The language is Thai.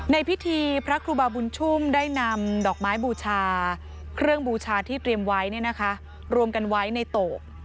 ในพิธีพระครูบาบุญชุ่มได้นำดอกไม้บูชาเครื่องบูชาที่เตรียมไว้รวมกันไว้ในโตก